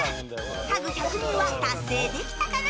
ハグ１００人は達成できたかな？